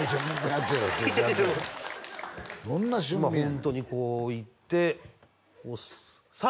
ホントにこういってさあ